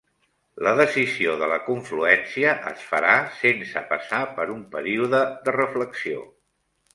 La decisió de la confluència es farà sense passar per un període de reflexió